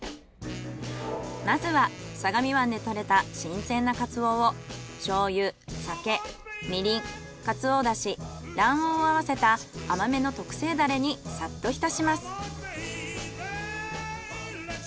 まずは相模湾で獲れた新鮮なカツオを醤油酒みりんかつおだし卵黄を合わせた甘めの特製ダレにさっと浸します。